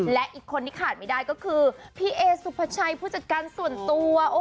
และอีกคนที่ขาดไม่ได้ก็คือพี่เอสุภาชัยผู้จัดการส่วนตัว